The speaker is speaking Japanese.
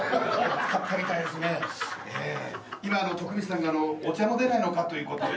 今徳光さんがお茶も出ないのかという事で。